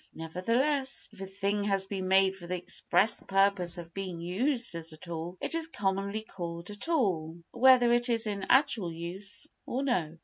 Nevertheless, if a thing has been made for the express purpose of being used as a tool it is commonly called a tool, whether it is in actual use or no.